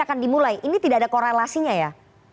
akan dimulai ini tidak ada korelasinya ya